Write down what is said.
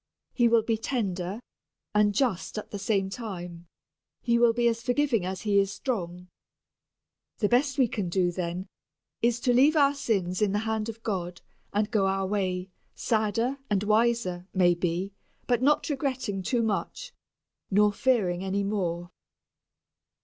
He will be tender, and just at the same time. He will be as forgiving as He is strong. The best we can do, then, is to leave our sins in the hand of God and go our way, sadder and wiser, maybe, but not regretting too much, not fearing any more.